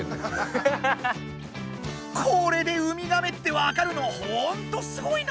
これでウミガメってわかるのほんとすごいな！